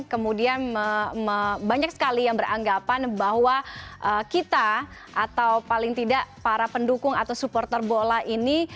kemudian banyak sekali yang beranggapan bahwa kita atau paling tidak para pendukung atau supporter bola ini